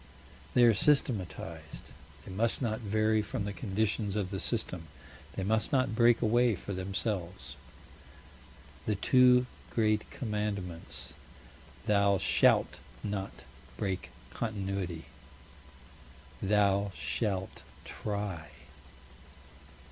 They are systematized: they must not vary from the conditions of the system: they must not break away for themselves. The two great commandments: Thou shalt not break Continuity; Thou shalt try.